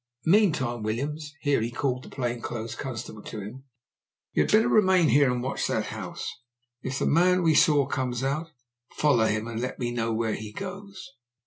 Meantime, Williams," (here he called the plain clothes constable to him), "you had better remain here and watch that house. If the man we saw comes out, follow him, and let me know where he goes."